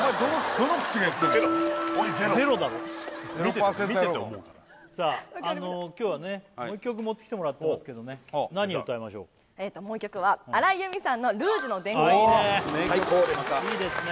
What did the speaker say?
どの口が言ってんのゼロだろ見てて思うから今日はねもう一曲持ってきてもらってますけどね何歌いましょうもう一曲は荒井由実さんの「ルージュの伝言」を最高ですいいですね